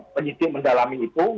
penyidik mendalami itu